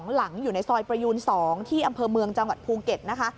หลังอยู่ในซอยประยูน๒ที่อำเภอเมืองจังหวัดภูเก็ตนะคะ